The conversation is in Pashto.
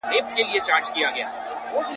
بد بویي وه که سهار وو که ماښام وو !.